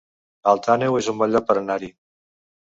Alt Àneu es un bon lloc per anar-hi